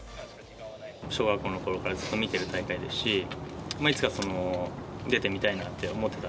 小学校のころからずっと見てる大会ですし、いつか出てみたいなって思ってた。